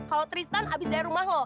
kalau tristan abis dari rumah loh